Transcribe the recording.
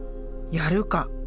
やるか。